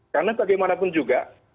karena bagaimanapun juga